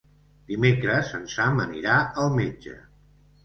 Dimecres en Sam anirà al metge.